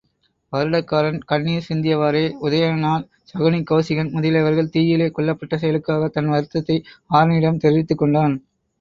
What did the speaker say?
வருடகாரன் கண்ணிர் சிந்தியவாறே, உதயணனால் சகுனி கெளசிகன் முதலியவர்கள் தீயிலே கொல்லப்பட்ட செயலுக்காகத் தன் வருத்தத்தை ஆருணியிடம் தெரிவித்துக்கொண்டான்.